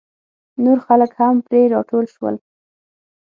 نور خلک هم پرې راټول شول.